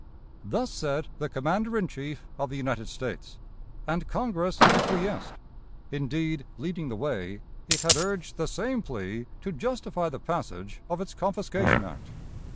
Thus said the Commander in Chief of the United States, and Congress acquiesced indeed, leading the way, it had urged the same plea to justify the passage of its confiscation act.